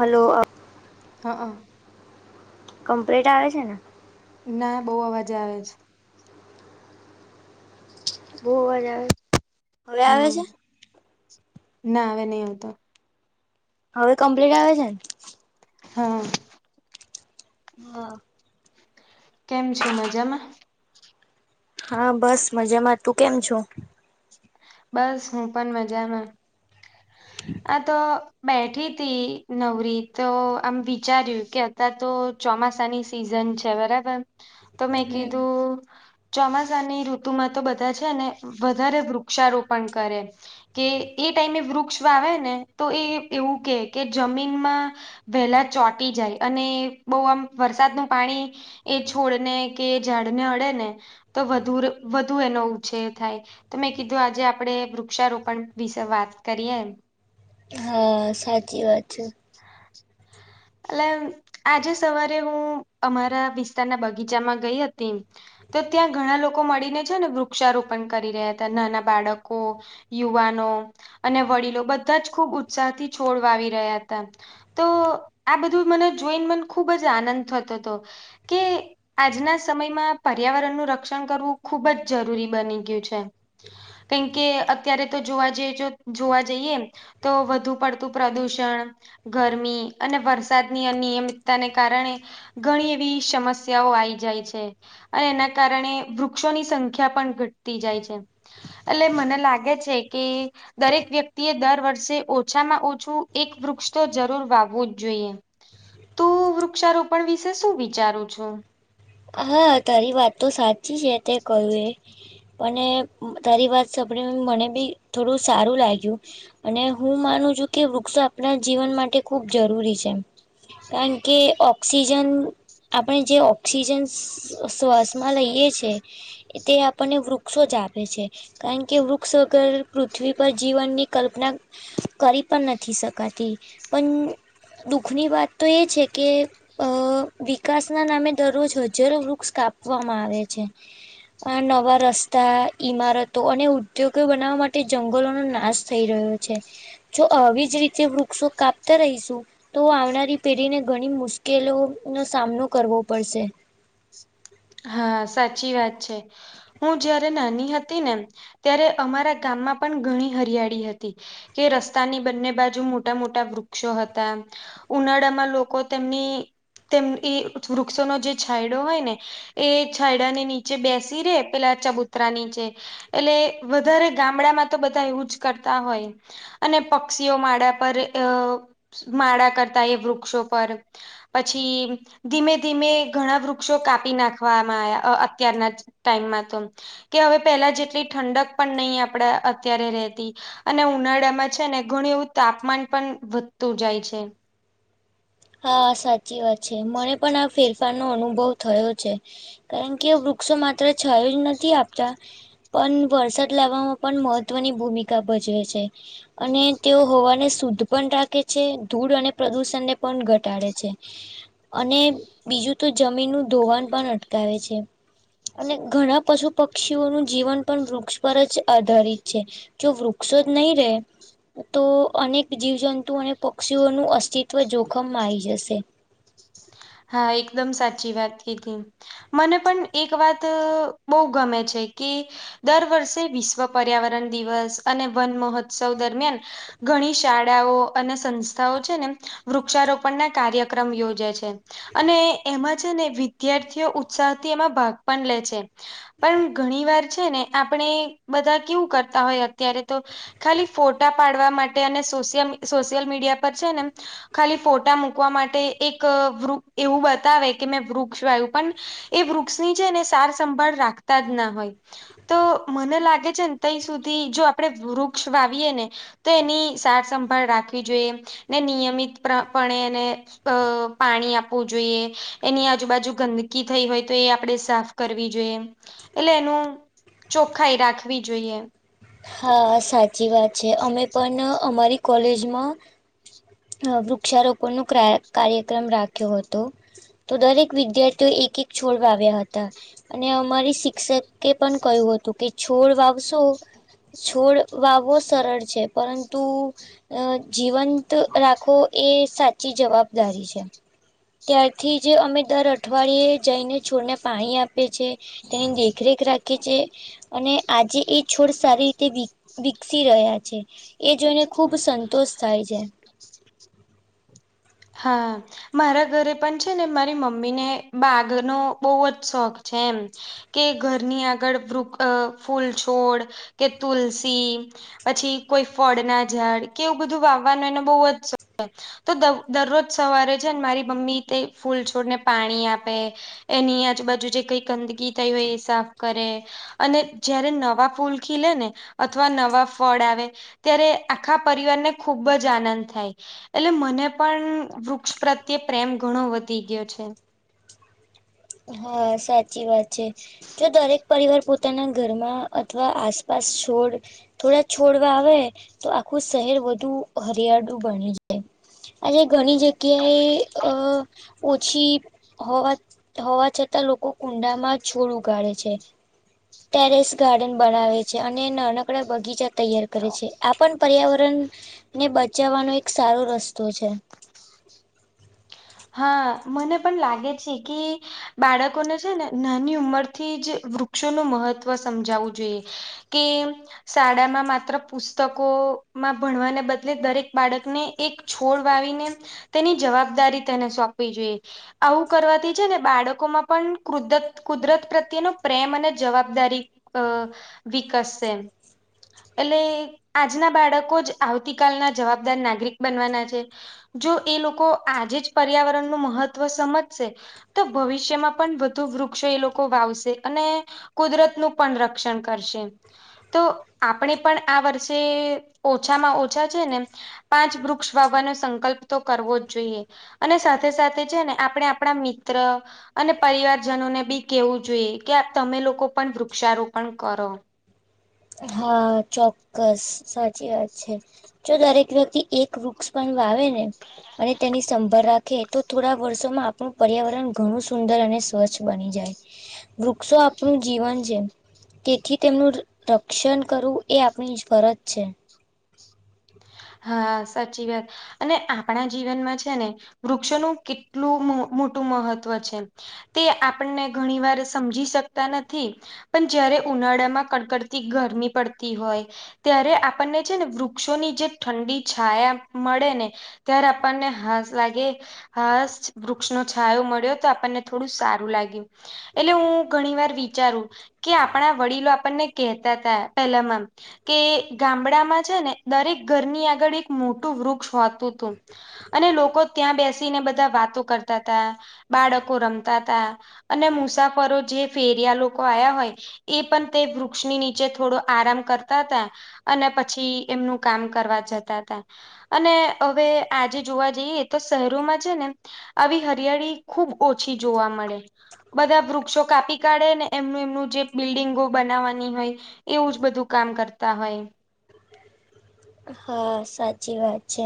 Hello આપ. હ અ. કમ્પ્લીટ આવે છે ને. ના બઉુ અવાજે આવે છે. બહ અવાજ આવે હવે આવે હા છે. ના હવે નહી આવતો. હવે કમ્પ્લીટ આવે છે ને. હા. હા. કેમ છો મજામાં. હા બસ મજામાં તું કેમ છો? બસ હું પણ મજામાં. આ તો બેઠી તી નવરી તો આમ વિચાર્યું કે અત્યાર તો ચોમાસાની સિઝન છે બરાબર તો મેં કીધું ચોમાસાની ઋતુમાં તો બધા છે ને વધારે વૃક્ષારોપણ કરે કે એ ટાઈમે વૃક્ષ આવે ને તો એ એવું કે કે જમીનમાં વહેલા ચોટી જાય અને બહુ આમ વરસાદનું પાણી એ છોડને કે ઝાડને અડે ને તો વધુ વધુ એનો ઉછેર થાય તો મેં કીધું આજે આપણેે વૃક્ષારોપણ વિશે વાત કરીએ એમ હમ્મ સાચી વાત છે. એલે આજે સવારે હું અમારા વિસ્તારના બગીચામાં ગઈ હતી તો ત્યાં ઘણા લોકો મળીને છે ને વૃક્ષારોપણ કરી રહ્યા હતા નાના બાળકો યુવાનો અને વડીલો બધા જ ખુબ ઉત્સાહ થી છોડવા વાવી રહ્યા હતા તો આ બધું મને જોઈને મને ખુબ જ આનંદ થતો હતો કે આજના સમયમાં પર્યાવરણનું રક્ષણ કરવું ખૂબ જ જરૂરી બની ગયું છે. કેમ કે અત્યારે તો જોવા જઈએ જોવા જઈએ. તો વધુ પડતું પ્રદુષણ ગરમી અને વરસાદની અનિયમિતતાને કારણે ઘણી એવી સમસ્યાઓ આવી જાય છે. અને એના કારણે વૃક્ષોની સંખ્યા પણ ઘટતી જાય છે. એટલે મને લાગે છે કે દરેક વ્યક્તિ એ દર વર્ષે ઓછામાં ઓછું એક વૃક્ષ તો જરૂર વાવવું જ જોઈએ તો વૃક્ષારોપણ વિશે શું વિચારું છું હા તારી વાત તો સાચી છે તે કયું એ અને તારી વાત સાંભળી મને બી થોડું સારું લાગ્યું અને હું માનું છું કે વૃક્ષ આપણા જીવન માટે ખુબ જરૂરી છે. કારણ કે ઓક્સિજન આપણે જે ઓક્સિજન શ્વાસ માં લઈએ છે તે આપણને વૃક્ષો જ આપે છે. કારણ કે વૃક્ષગર પૃથ્વી પર જીવનની કલ્પના કરી પણ નથી શકાતી પણ દુઃખની વાત તો એ છે કે વિકાસના નામે દરરોજજ જ્યારે વૃક્ષ કાપવામાં આવે છે આ નવા રસ્તા, ઈમારતો અને ઉદ્યોગો બનાવવા માટે જંગલોનો નાશ થઈ રહ્યો છે. જો આવી જ રીતે વૃક્ષો કાપતા રહીશું તો આવનારી પેઢીને ઘણી મુશ્કેલો નો સામનો કરવો પડશે. હા સાચી વાત છે. હું જયારે નાની હતી ને, ત્યારે અમારા ગામમાં પણ ઘણી હરિયાળી હતી. કે રસ્તાની બંને બાજુ મોટા-મોટા વૃક્ષો હતા ઉનાળામાં લોકો તેમની તેમ ઈ વૃક્ષોનો જે છાયડો હોય ને એ છાયડા ની નીચે બેસી રહે, પેલા ચબૂતરા નીચે એટલે વધારે ગામડામાં તો બધા એવું જ કરતા હોય. અને પક્ષીઓ માળા પર અહ માળા કરતા એ વૃક્ષો પર પછી ધીમે-ધીમે ઘણા વૃક્ષો કાપી નાખ ખવામાં આયા, અ અત્યારના જ ટાઈમમાં તો. કે હવે પેલા જેટલી ઠંડક પણ નહીં આપડા અત્યારે રહેતી. અને ઉનાળામાં છે ને ઘણું એવું તાપમાન પણ વધતું જાય છે. હા સાચી વાત છે. મને પણ આ ફેર ફાર નો અનુભવ થયો છે, કારણ કે વૃક્ષો માત્ર છાયો જ નથી આપતા પન વરસાદ લાવવામાં પણ મહત્વની ભૂમિકા ભજવે છે. અને તેઓ હવાને શુદ્ધ પણ રાખે છે, ધૂળ અને પ્રદુષણને પણ ઘટાડે છે. અને બીજું તો જમીનનું ધોવાણ પણ અટકાવે છે. અને ઘણા પશુ પક્ષીઓનું જીવન પણ વૃક્ષ પર જ આધારિત છે. જો વૃક્ષો જ નહીં રહે તો અનેક જીવજંતુ અને પક્ષીઓનું અસ્તિત્વ જોખમમાં આઈ જશે. હા એકદમ સાચી વાત કીધી. મને પણ એક વાત અહ બહું ગમે છે કે દર વર્ષે વિશ્વ પર્યાવરણ દિવસ અને વન મહોત્સવ દરમિયાન ઘણી શાળાઓ અને સંસ્થાઓ છે ને વૃક્ષારોપણના કાર્યક્રમ યોજે છે. અને એમાં છે ને વિદ્યાર્થીઓ ઉત્સાહથી એમાં ભાગ પણ લે છે. પણ ઘણી વાર છે ને આપણે બધા કેવું કરતા હોય અત્યારે તો ખાલી ફોટા પાડવા માટે અને સોશ્ય સોશિયલ મીડિયા પર છે ને ખાલી ફોટા મૂકવા માટે એક વૃ એવું બતાવે કે મેં વૃક્ષ વાયુ, પણ એ વૃક્ષની છે ને સાર-સંંભાળ રાખતા જ ના હોય. તો મને લાગે છેન તઈ સુધી જો આપડે વૃક્ષ વાવીએે ને તો એની સાર-સંભાળ રાખવી જોઈએ. ને નિયમિત પ્ર પણે એને અહ પાણી આપ પવું જોઈએ, એની આજુબાજુ ગંદકી થઈ હોય તો એ આપડે સાફ કરવી જોઈએ. એટલે એનું ચોખ્ખાઈ રાખવી જોઈએ. હા સાચી વાત છે. અમે પણ અહ અમારી કોલેજમાં અહ વૃક્ષારોપણનો ક્રા કાર્યક્રમ રાખ્યો હતો. તો દરેક વિદ્યાર્થીઓ એક-એક છોડ વાવ્યા હતા. અને અમારી શિક્ષકે પણ કહ્યું હતું, કે છોડ વાવશો છોડ વાવવો સરળ છે, પરંતુ અહ જીવંત રાખવો એ સાચી જવાબદારી છે. ત્યારથી જ અમે દર અઠવાડિયે જઈને છોડને પાણી આપ પીએ છે, તેની દેખરેખ રાખીએ છે. અને આજે એ છોડ સારી રીતે વિક વિકસી રહ્યા છે. એ જોઈને ખુબ સંતોષ થાય છે. હા. મારા ઘરે પણ છે ને મારી મમ્મીને બાગનો બઉજ શોખ છે એમ. કે ઘરની આગળ વૃક અ ફૂલછોડ કે તુલસી પછી કોઈ ફળના ઝાડ કે એવું બધું વાવવાનો એને બઉ જ શોખ છે તો દવ દરરોજ સવારે છેન મારી મમ્મી તે ફૂલ છોડને પાણી આપે એની આજુબાજુ જે કઈ ગંદગી થઈ હોય એ સાફ કરે અને જયારે નવા ફૂલ ખીલેને અથવા નવા ફળ આવે ત્યારે આખા પરિવારને ખુબ જ આનંદ થાય એટલે મને પણ વૃક્ષ પ્રત્યે પ્રેમ ઘણો વધી ગયો છે. હા સાચી વાત છે, જો દરેક પરિવાર પોતાના ઘરમાં અથવા આસપાસ છોડ થોડા છોડ વાવે તો આખું શહેર વધુ હરિયાળુ બની જાય. આજે ઘણી જગ્યાએ અ ઓછી હોવા હોવા છતાં લોકો કુંડામાં છોડ ઉગાડે છે. ટેરેસ ગાર્ડન બનાવે છે અને નાનકડા બગીચા તૈયાર કરે છે આપણ પર્યાવરણને બચાવવાનો એક સારો રસ્તો છે. હા મને પણ લાગે છે કે બાળકોને છે ને નાની ઉંમરથી જ વૃક્ષોનું મહત્વ સમજાવવું જોઈએ. કેમ શાળામાં માત્ર પુસ્તકોમાં ભણવાને બદલે દરેક બાળકને એક છોડ વાવીને તેની જવાબદારી તેને સોંપવી જોઈએ. આવું કરવાથી છે ને બાળકોમાં પણ ક્રૂદત કુદરત પ્રત્યેનો પ્રેમ અને જવાબદારી અ વિકસશે. એટલે આજના બાળકો જ આવતી કલના જવાબદાર નાગરિક બનવાના છે. જો એ લોકો આજે જ પર્યાવરણ ન મહત્વ સમજશે. તો ભવિષ્યમાં પણ વધુ વૃક્ષો એ લોકો વાવશે અને. કુદરતનું પણ રક્ષણ કરશે. તો આપણે પણ આ વર્ષે ઓછામાં ઓછા છે ને. પાંચ વૃક્ષ વાવવાનો સંકલ્પ તો કરવો જ જોઈએ. અને સાથે સાથે છે ને આપણે આપણા મિત્ર. અને પરિવારજનોને બી કેવું જોઈએ કે તમે લોકો પણ વૃક્ષારોપણ કરો. હા ચોક્કસ સાચી વાત છે જો દરેક વ્યક્તિ એક. વૃક્ષ પણ વાવે ને અને તેની સંભર રાખે. તો થોડા વર્ષોમાં આપણું પર્યાવરણ ઘણું સુંદર અને સ્વચ્છ બની જાય. વૃક્ષો આપનુંું જીવન છે તેથી તેમનું. શિક્ષણ કરવું એ આપણી ફરજ છે. હા સાચી વાત. અને આપણા જીવનમાં છે ને વૃક્ષોનું કેટલું મોટું મહત્વ છે. તે આપણને ઘણી વાર સમજી શકતા નથી. પણ જયારે ઉનાળા માં કડકડતી ગરમી પડતી હોય. ત્યારે આપણને છે ને વૃક્ષોની જે. ઠંડી છાયા મળે ને ત્યારે આપણને હાસ લાગે. હ વૃક્ષનો છાયો મળ્યો તો આપણને થોડું સારું લાગ્યું. એટલે હું ઘણી વાર વિચારું કે આપણા વડીલો આપણને કહેતા હતા પેલામાં. કે ગામડામાં છે ને દરેક ઘરની આગળ એક મોટું વૃક્ષ હોતું હતું. અને લોકો ત્યાં બેસીને બધા વાતો કરતા હતા. બાળકો રમતા હતા અને મુસાફરો જે ફેરિયા લોકો આવ્યા હોય. એ પણ તે વૃક્ષની નીચે થોડો આરામ કરતા હતા અને પછી એમનું. કામ કરવા જતા હતા અને હવે આજે જોવા જઈએ તો શહેરોમાં છે ને. આવી હરિયાળી ખુબ ઓછી જોવા મળે. બધા વૃક્ષો કાપી કાઢે ને એમનું એમનું જે બિલ્ડિંગો બનાવવાની હોય. એવુંજ બધું કામ કરતા હોય. હા સાચી વાત છે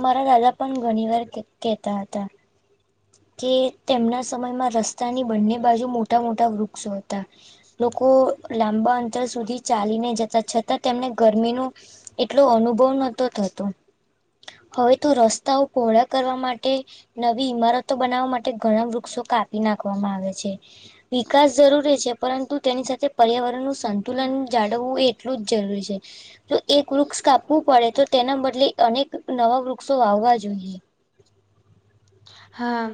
મારા દાદા પણ ઘણી વાર કેતા હતા. કે તેમના સમયમાં રસ્તાની બંને બાજુ મોટા મોટા વૃક્ષો હતા. લોકો લાંબા અંતર સુધી ચાલીને જતા છતાં તેમને ગરમીનું. એટલો અનુભવ નતો થતો. હવે તો રસ્તાઓ પહોળા કરવા માટે નવી ઈમારત. તો બનાવવા માટે ઘણા વૃક્ષો કાપી નાખવામાં આવે છે. વિકાસ જરૂરી છે પરંતુ તેની સાથે પર્યાવરણ નું સંતુલન જાળવવું એ. એટલું જરૂરી છે. જો એક વૃક્ષ કાપવું પડે તો તેના બદલે અનેક નવા વૃક્ષો વાવવા જોઈએ. હા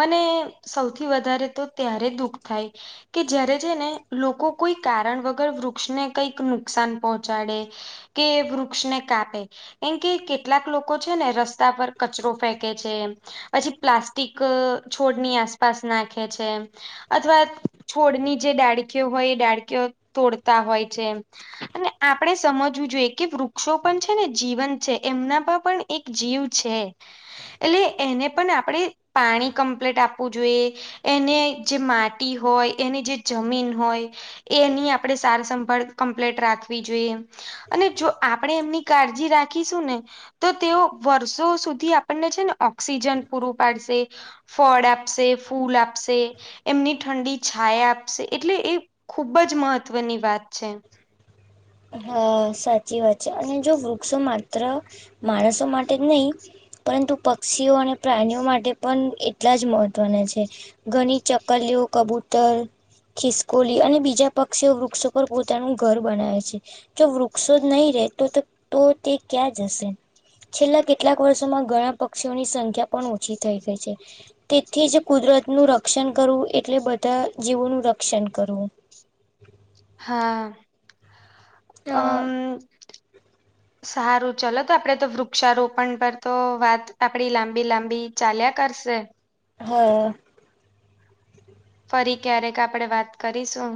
મને સૌથી વધારે તો ત્યારે દુઃખ થાય. કે જ્યારે જે ને લોકો કોઈ કારણ વગર વૃક્ષને કંઈક નુકસાન પહોંચાડે. કે વૃક્ષને કાપે. કેમ કે કેટલાક લોકો છે ને રસ્તા પર કચરો ફેંકે છે. પછી પ્લાસ્ટિક છોડની આસપાસ નાખે છે. અથવા છોડની જે ડાળકીઓ હોય એ ડાળકીઓ તોડતા હોય છે. અને આપણે સમજવું જોઈએ કે વૃક્ષો પણ છે ને જીવંત છે એમના પર પણ. એક જીવ છે એટલે એને. પણ આપણે પાણી કમ્પ્લીટ આપવું જોઈએ. એને જે માટી હોય એની જે જમીન હોય. એની આપણે સાર સંંભાળ કમ્પ્લીટ રાખવી જોઈએ. અને જો આપણેે એમની કાળજી રાખીશું ને. તો તેઓ વર્ષો સુધી આપણને છે ને ઓક્સિજન પૂરું પાડશે ફળ આપશે ફૂલ આપશે એમની ઠંડી છાયા આપશે એટલે એ ખૂબ જ મહત્વની વાત છે. હા સાચી વાત છે અને જો વૃક્ષો માત્ર માણસો માટે જ નહી પરંતુ પક્ષીઓ અને પ્રાણીઓ માટે પણ એટલા જ મહત્વના છે. ઘણી ચક્કલીઓ કબૂતર ખિસકોલી અને બીજા પક્ષીઓ વૃક્ષો પર પોતાનું ઘર બનાવે છે. જો વૃક્ષો નહીિ રેતો તો તે ક્યાં જ હશે છેલ્લા કેટલાક વર્ષોમાં ઘણા પક્ષીઓની સંખ્યા પણ ઓછી થઈ ગઈ છે. તેથી જ કુદરત નું રક્ષણ કરવું એટલે બધા જીવોનું રક્ષણ કરવું. હા અમ સારું ચલો તો આપડે તો વૃક્ષારોપણ પર તો વાત આપડી લાંબી લાંબી ચાલ્યા કરશે હા ફરી ક્યારેક આપણેે વાત કરીશું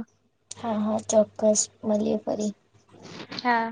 હા હા ચોક્કસ મળએ ફરી હા